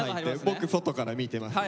僕外から見てます。